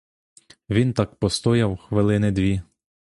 Він так постояв хвилини дві.